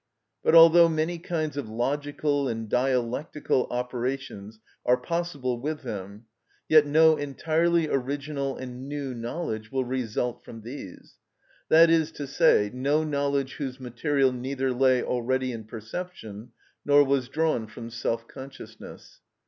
But although many kinds of logical and dialectical operations are possible with them, yet no entirely original and new knowledge will result from these; that is to say, no knowledge whose material neither lay already in perception nor was drawn from self consciousness.